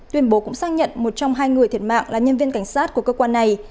tuyên bố cũng xác nhận một trong hai người thiệt mạng là nhân viên cảnh sát của cơ quan này